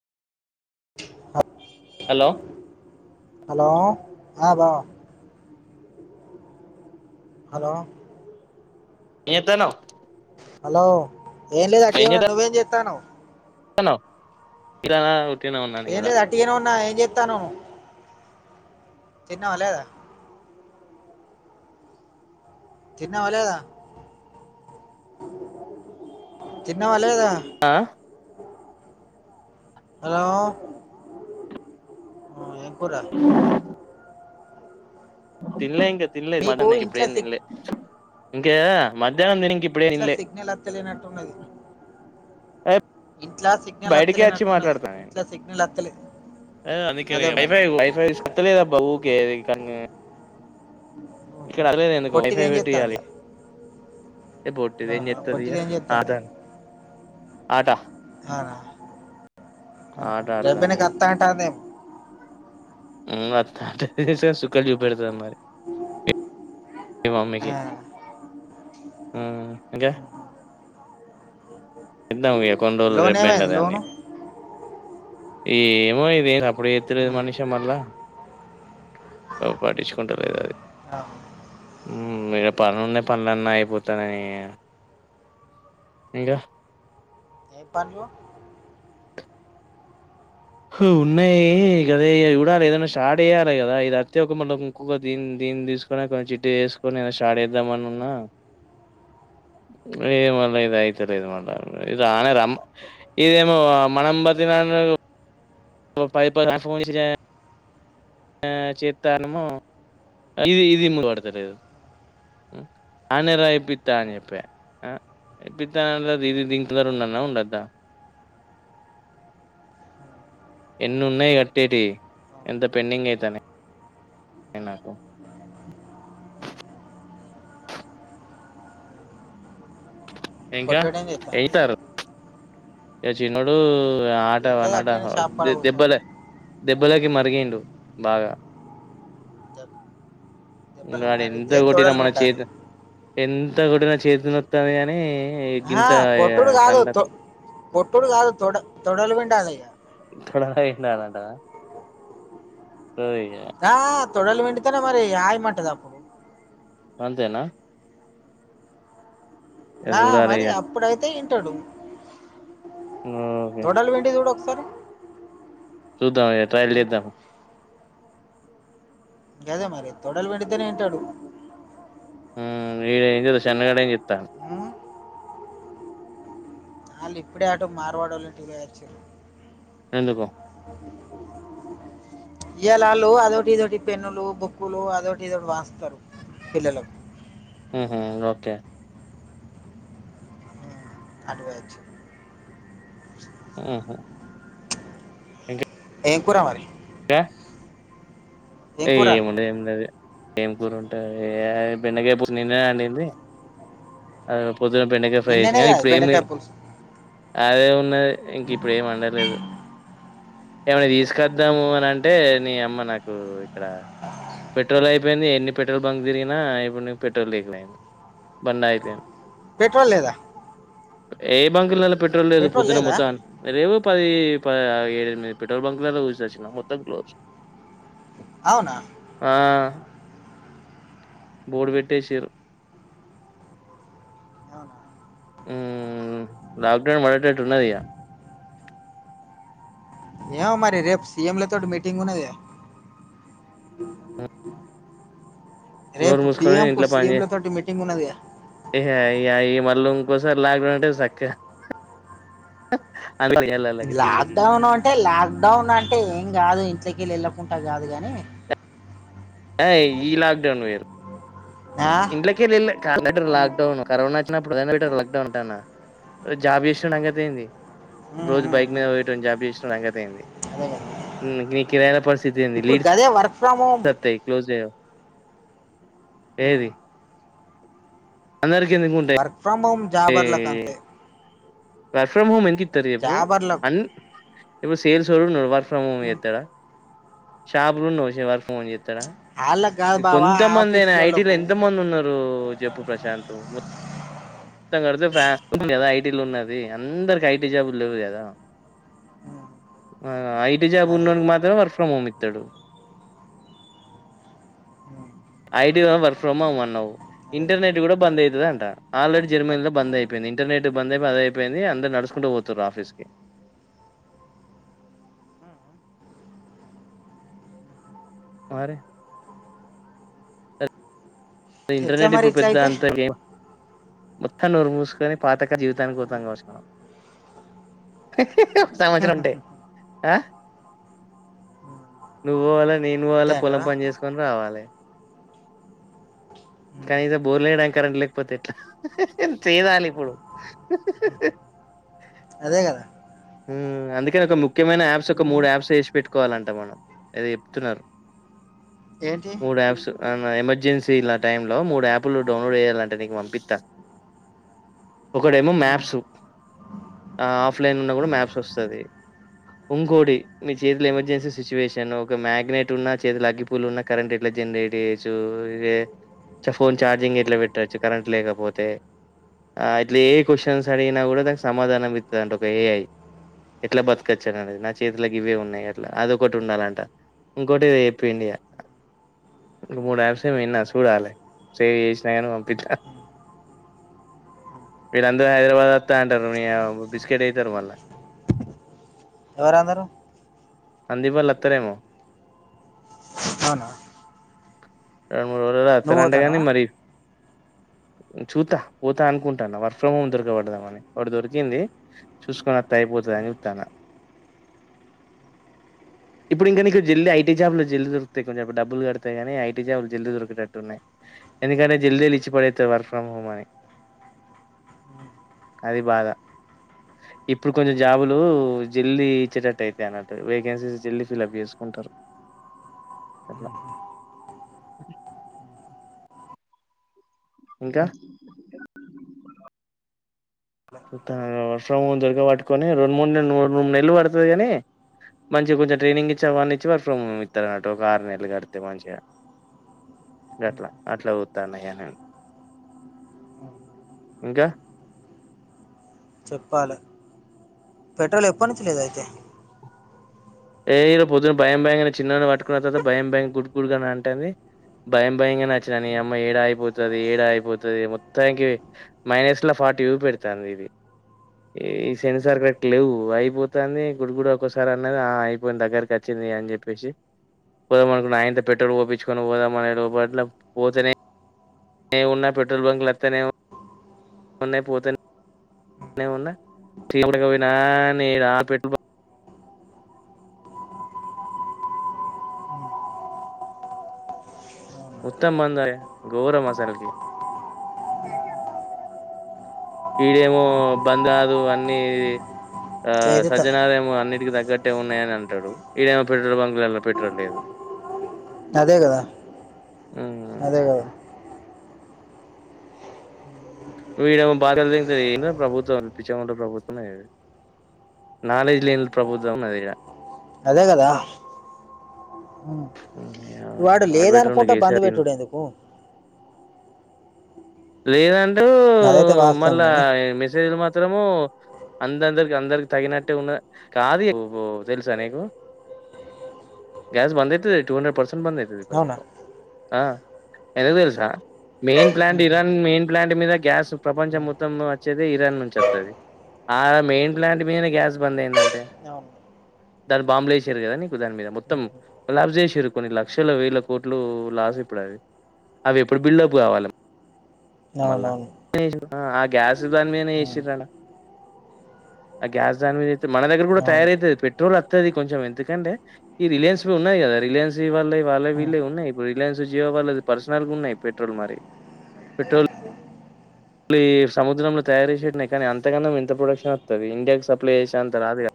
ఆబ్ hello hello ఆ బావ hello ఎం చేతనావ్ హలో ఏం లేదు అటీగానే ఉన్న నువ్వేం చేత్తనవ్ నవ్ ఇరనా ఏం లేదు అట్టిగానే ఉన్నా ఏం చెత్తనవ్ తన్నవా లేదా తన్నవా లేదా తిన్నవా లేదా ఆ హలో కుర్ర తిన్లే ఇంక తిన్లే మీకు ఇంట్లో ఇప్పుడెం తిన్లే ఇంకా మ ఇంట్ల సిగ్నల్ అత్తలేనట్టున్నది ఇంట్లా సిగ్నల్ బయటికే అత్తలేనట్టున్నది ఇంట్ల సిగ్నల్ అత్తలేద్ ఏ అందుకనే ఇగ వైఫై తీస్ అత్తలేదబ్బ ఊకే ఇది కన్ వైఫై పెట్టియ్యాలి ఇగ ఆ పొట్టిది ఏం ఆట చెతాంది ఆట అ ఆట అహ ఆడుతాంది హు వత్త అంటది సుక్కలు సూపెడుతది మరి మీ ఆ. మమ్మీకి ఉహ్ ఇంక కింద పోయ్యకు లోన్ ఏమైంది లోను ఏమో ఇదే ర్ సప్పుడు చెత్తలేదు మనిషా మళ్ల ప పటించుకుంట లేదు అది ఆ హు ఈడ పనులున్నాయి పనులన్ని అగిపోతాన్నాయి ఇంకా ఏం పన్లు హు ఉన్నాయి గదే ఇగ చూడాలె ఏదనా షార్ట్ ఆ, చేయాలి కదా ఇది అత్తే ఒక మళ్ళీ ఇంకొక దీన్ని దీన్ని తీసుకొని చిట్టి వేసుకొని స్టార్ట్ చేద్దామని ఉన్నా ఏ మళ్ల ఇద అయితలేదు మళ్ళ ఇది ఆనే రమ్మ ఇదేమో మనం బతిమిలాడిన ఒ పది పదిహేను రకము వేసిరీ ఆ చేత్తన్నమో అలి ఇది ముందు పడతలేదు ఆన్నే రా ఇప్పిత్త అని చెప్పే ఇప్పిత్త ఇది దీని దర ఆ, ఉండల్నా ఆ. ఉండోద్దా ఎన్ని ఉన్నాయి కట్టేటి ఎంత పెండింగ్ అయితన్నయి ఎన్నాకు ఇంక కొట్టడం చేద్దాం ఎయితారు ఇక చిన్నోడూ ఆట ఏం లేదు అన్నడ అట్లనే షాప్ పడ కూర్చోను దెబ్బలే దెబ్బలకి మరిగిండు బాగ దెబ్- దెబ్బలు దాన్ని ఎంత మరిగితే కొట్టిన తొడలు మన చే పిండాలి ఎంత ఎంత కొట్టిన చేతి నోక్తవె గాని ఏ ఆహా, గింత కొట్టుడు కాదు కండ తొ- కొట్టుడు కాదు తొడ తోడలు పిండాలే ఇగ తొడలే పిండాలంటావ తాబ్ తొడల్ పిండితేనే మరి హాయిమంటాది అప్పుడు అంతేన ఆ చూడాలి మరి ఇగ అప్పుడైతే ఇం ట్టడు ఓకే తొడలు పిండి జూడు ఒక్కసా సరి సూద్దాం ఇగ ట్రయిల్ చేద్దం గదే మరి తొడలు పిండితేనే ఇంటడు ఉహ్ ఏం ఈడు చెన్నగాడు ఏం సె త్తాండు ఉం, ఆళ్ళు ఇప్పుడే అటు మార్వాడోళ్ళంటికి పొయ్యొచ్చిళ్ళు ఎందుకొ ఈయలాళ్ళు అదోటి ఇదోటి పెన్నులు బుక్కులు అదొటి ఇదోటి పాంచుతారు పిల్లలకు ఉహ్ హ్ ఓకె ఉం, అటు పొయ్యొచ్చిళ్ళు ఆహ ఇంక ఏం కూర మరి గ ఏం కూర ఏమ్ ఉండయి ఏం లేదు ఏం కూరంటంది బిన్నగాపో నిన్న వండింది అ పొద్దున బెండకాయ ఫ్రై నిన్ననే చేసాం కదా ఇప్పుడు ఏమి బెండకాయ పులుసు అదే ఉన్నది ఇంక ఇప్పుడు ఏమి వండలేదు ఏమనా తీసుకొద్దాము అని అంటే నీ అమ్మ నాకు ఇక్కడ పెట్రోల్ అయిపోయింది ఎన్ని పెట్రోల్ బంక్ తిరిగినా ఇప్పుడుకు పెట్రోల్ తీకులేయింది బండి ఆగిపోయింది న్ [inaudible] పెట్రోల్ లేదా ఏ బంకులో పెట్ట్ర లేదు పెట్రోల్ పొద్దున లేదా ముొద్దాన్ అదే పది ప ఏడ ఎనిమిది పెట్రోల్ బంక్ ల చూసి వచ్చిన మొత్తం క్ అవునా ఆ బోర్ట్ పెట్టేసారు అవునా క్డౌన్ వటట్న్నద ఎవ మరి రేప్స్ సీఎంల తోటి మీటింగ్ ఉన్నది ఆ రేపు బి య్యం కు ఇంట్లో సీఎం పని ల తోటి మీటింగ్ ఉన్నది యి మళ్ళీ ఇంకోసారి లాక్డౌన్ అంటే సక్క అ వెళ్ళాలకి తిండికి లాక్డౌన్ అంటే లాక్ డౌన్ అంటే ఏం కాదు ఇంట్లకి వెళ్ అకుంటా కాదు కానీ అ ఈ లాక్డౌన్ వరు ఆ? ఇండ్లకే లే ఇ ఉమ్, లాక్డౌన్ కరోనా వచ్చినప్పుడు లాక్డౌన్ ఉంటా జాబ్ చేసినంగంది ఉమ్, రోజు ఉమ్, బైక్ మీద ఉమ్. పోయ జాబ్ చేసిన అంగతి అయింది అదే కదా నీరైన ప స్తింది ఇప్పుడు లీడ్స్ గదే వర్క్ ఫ్రమ్ హోమ్ సత్యి క్లోజ ఏది అందరికి ఎందుకు ఉంటాయి వర్క్ ఫ్రమ్ హోమ్ జాబర్లకంత వర్క్ ఫ్రమ్ హోమ్ ఎం ఎందుకేస్తారు చెప్పు జాబర్లకు అని ఎప్పుడు సేల్ చూడున్నాడు వర్క్ ఫ్రం హోం చేస్తాడా షాపులో ఉండవ్ వర్క్ ఫ్రొం చేస్తే వాళ్ళకి కాదు బావా కొంతమంది అనా ఐటీలో ఆఫీస్లకు ఎంత మంది ఉన్నారు చెప్పు ప్రశాంత్ కడితే ఫ్యాన్ద ఐటీ లో ఉన్నారు అందరికి ఐటీ జాబు లేవు కదా జాబ్ అదే అదే ఉన్ననికి మాత్రం వర్ ఫ్రమ్ హోమ్ ఇది పత్తడు ఉమ్, ఐటీ వర్క్ ఫ్రమ్ అమ్ అన్నావు అదే కదా. ఇంటర్నెట్ కూడా బంద్ అవుతుంద అంట ఆల్రెడీ ఉమ్. జర్మనీలో బంద్ అయిపోయింది ఇంటర్నెట్ బంద్ అయి అద అయిపోయింది అందరు నడుచకుంటూ పోతారు ఆఫీస్కి వరి ఎట్లా ఇంటర్నెట్ మరి ఇప్పుడు ఇట్లా పెద్ద అయితే అంత గేమ్ మొత్తం నోరు మూసుకొని, పాతక జీవితానికి ఉమ్, పోతం కావచ్చు మనం. సంవత్సరం ఉంటే. ఆ, ఉమ్, నువు పోవాలె నేను అంతే పోవాలె, పొలం అంటావా పని చేసుకొని రావాలె. ఉమ్, కనీసం బోర్లేయడానికి కరెంటు లేకపోతే ఎట్లా? చేదాలి ఇప్పుడు. అదే కదా. ఉమ్, అందుకని ఒక ముఖ్యమైన యాప్స్ ఒక ఉమ్, మూడు యాప్స్ ఏసి పెట్టుకోవాలంట మనం. ఏదో చెప్తున్నరు. ఏంటియయి? అవునా, ఎమర్జెన్సీల టైంలో మూడు యాప్లు డౌన్లోడ్ చేయాలంట నీకు పంపిత్తా. ఒకటెమో ఉమ్, మ్యాప్స్, ఆ ఆఫ్లైన్ డ్లగూడ ఉమ్, మాప్స్ వస్తది. ఇంకోటి మీ చేతుల ఎమర్జెన్సీ సిచ్యువేషన్ ఒక మ్యాగ్నెట్ ఉన్నా, చేతుల అగ్గి పుల్లున్నా, కరెంట్ ఎట్ల జనరేట్ చేయొచ్చు? చ ఫోన్ చార్జింగ్ ఎట్ల పెట్టచ్చు కరెంట్ లేకపోతే? ఆ ఇట్ల ఏ క్వశ్చన్స్ అడిగిన కూడా దానికి సమాధానం ఇత్తదంట ఒక ఏఐ. ఎట్ల బతకొచ్చననేది నా చేతిల గివ్వే ఉన్నయి అట్లా అదొకటి ఉండాలంట. ఇంకోటి ఏదో చెప్పిండిగా మూడు యాప్స్ ఏమో విన్నా చూడాలి. సేవ్ చేసినా కాని పంపిత్త. మీరందరు హైదరాబాద్ వస్తా అంటరు, మీ యా బిస్కెట్ అయితరు మళ్ళ. ఎవరందరు? సందీప్ వాళ్ళు అత్రరేమో? అవునా? రవ్ మూడు రోజులు నువ్వు అత్తరంటగని పోతానవా మరీ? చూత్త, పోత అనుకుంటాన వర్క్ ఫ్రమ్ హోమ్ దొరకబడదామని. ఒకటి దొరికింది చూసుకొని అత్ త్త అయిపోతదని చూత్తాన. ఇప్పుడు ఇంకెందుక్ర జల్ది ఐటీ జాబ్లు జల్ది దొరుకుతయి కొంచమ్ డబ్బులు కడతెకానీ, ఐటీ జాబ్ లు జల్లీ దొరికేటట్టు ఉన్నయి. ఎందుకంటే జల్దీ ఇచ్చి పడేత్తరు వర్క్ ఫ్రమ్ హోమ్ అని. అది బాధ. ఇప్పుడు కొంచెం జాబులు జల్దీ ఇచ్చేటట్టు అయితయి అన్నట్టు. వేకెన్సీస్ జల్దీ ఫిల్అప్ చేసుకుంటరు అట్లా. ఇంకా? చుత్తాన, వర్క్ ఫ్రమ్ హోమ్ దొరక పట్టుకొని రెండు, మూడు నె రెండు, మూడు నెలలు పడుతది కానీ, మంచిగా కొంచెం ట్రైనింగ్ ఇచ్చి అవన్ని ఇచ్చి వర్క్ ఫ్రమ్ హోమ్ ఇత్తడు అన్నట్టు ఒక ఆరు నెలలు కడితే మంచిగా గట్ల. అట్ల చుత్తానిగ నేను. ఇంకా? చెప్పాలె, పెట్రోల్ ఎప్పనుంచి లేదు అయితే? ఏ ఇగ పొద్దున భయం భయంగనే చిన్నగనే పట్టుకున్న తర్వాత భయం భయం గుడుగుడుగని అంటాంది. భయం భయంగనే అచ్చినా నీ అమ్మా ఏడ ఆగిపోతది, ఏడ ఆగిపోతది మొత్తానికి మైనస్ ల ఫార్టీ చూ పెడతాంది ఇది. ఈ సెన్సార్ కరెక్ట్ లేవు, అయిపోతాంది గుడ్ గుడ్ ఒకోసారి అన్నది ఆగ్ పోని దగ్గరకు అచ్చింది అని చెప్పేసి, పోదామ అనుకున్న, ఆయింత పెట్రోల్ పోపిచ్చుకొని పోదామనే లోపట్ల పోతేనే నే ఉన్న పెట్రోల్ బంకులత్తనే న్నయి పోతనే ఉన్న, చిన్నగ ఊర్లక్ పోయినా నేన పెట్ మొత్తం బంధే, ఘోరమసల్కి. ఈడేమో బంద్ కాదు అన్నీ ఆ ఇట్లా అయితే త- సజ్జనారెమో అన్నిటికి దగ్ గట్టేమో ఉన్నాయని అంటాడు, ఈడేమో పెట్రోల్ బంకులల్లా పెట్రోల్లేదు. అదే కదా, అదే కదా వీడేమో బాధలు! ! ! ! ! ! ! ! ! ! ఏంద్ర ప్రభుత్వం! ! ! ! ! ! ! ! ! ! ప్రభుత్వం. నాలెడ్జ్ లేని ప్రభుత్వం ఉన్నది ఇడ. అదే కదా. ఉమ్. వాడు అది బెటర్ ఉండు లేదనుకుంటే, బంద్ కేసీఆర్ పెట్టుడు ఎందుకు? లేదన్ ను అదైతే వాస్తవం మళ్ళా కానీ ఇ మెసేజ్లు మాత్ త్రము అన్ అందరికి అందరికీ తగ్గినట్టే ఉన్నద్ కాదు బందైతది ఇపుడు అవునా నీకు, ఆ ఎందుకు తెలుసా? మెయిన్ ప్లాన్ ఉమ్, ఇరాన్ మెయిన్ ప్లాంట్ మీద గ్యాస్ ప్రపంచం ఉమ్, ఉమ్. మొత్తం వచ్చేదే ఇరాన్ నుంచి అత్తది. ఆ మెయిన్ ప్లాంట్ మీదనే గ్యాస్ బంద్ అయిందంటే, అవును ఉమ్, దాంట్ల బాంబులు ఎస్సిర్రు కదా నీకు దాని మీద మొత్తం ఉమ్. కొల్లాప్స్ చేసిర్రు కొన్ని లక్షల, వేల కోట్లు లాస్ ఇప్పుడవి. అవి ఎప్పుడు బిల్డప్ కావాలె? మళ్ళ అవునవును [unintelligible] ఆ గ్యాస్ దాని మీద చేసి ఉమ్, ఆడ, గ్యాస్ దానిద మన దగ్గర కూడా అవును తయారైతది, పెట్రోల్ అత్తది కొంచెం ఎందుకంటే, రిలయన్స్ ఉన్నాయి కదా, రిలయన్స్ వి వాళ్ళై ఉమ్. వీలై ఉన్నాయ్, ఇప్పుడు రిలయన్స్ జియో వాళ్ళై పర్సనల్ ఉన్నాయ్, పెట్రోల్ మరి. ఇప్పు ఈ సముద్రంలో తయారు చేసేయి కానీ అంతగనం ఇంత ప్రొడక్షన్ అత్తది, ఇండియాకి సప్లై చేసే అంత రాదు గా.